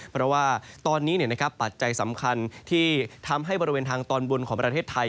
เพราะว่าตอนนี้ปัจจัยสำคัญที่ทำให้บริเวณทางตอนบนของประเทศไทย